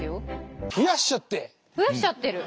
増やしちゃってる。